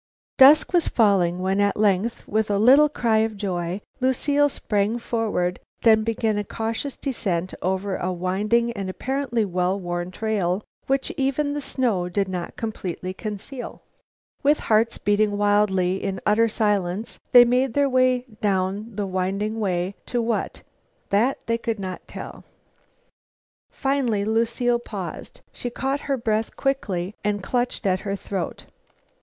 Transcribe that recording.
Dusk was falling when, at length, with a little cry of joy, Lucile sprang forward, then began a cautious descent over a winding and apparently well worn trail which even the snow did not completely conceal. With hearts beating wildly, in utter silence they made their way down, down the winding way to what? That, they could not tell. Finally Lucile paused. She caught her breath quickly and clutched at her throat.